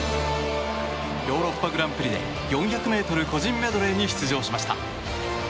ヨーロッパグランプリで４００ｍ個人メドレーに出場しました。